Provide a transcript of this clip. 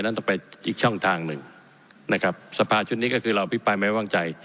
ต้องไปอีกช่องทางหนึ่งนะครับสภาชุดนี้ก็คือเราอภิปรายไม่วางใจ